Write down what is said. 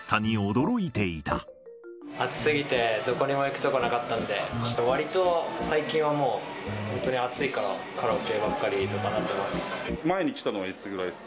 暑すぎて、どこにも行く所なかったんで、わりと最近はもう、本当に暑いから、カラオケばっかりとかになってます。